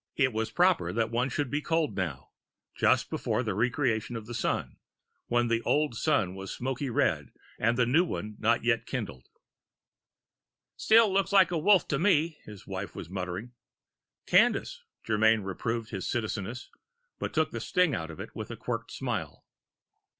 It was proper that one should be cold now, just before the re creation of the Sun, when the old Sun was smoky red and the new one not yet kindled. " still looks like Wolf to me," his wife was muttering. "Cadence," Germyn reproved his Citizeness, but took the sting out of it with a Quirked Smile.